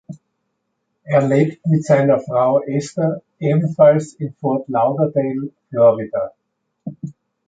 Er lebt mit seiner Frau Esther ebenfalls in Fort Lauderdale, Florida.